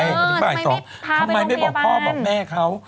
ทำไมไม่พาไปต้องพยาบาลทำไมไม่บอกพ่อบอกแม่เค้า